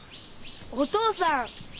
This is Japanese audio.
お父さん。